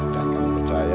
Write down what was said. dan kamu percaya